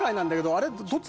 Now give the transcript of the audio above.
あれ？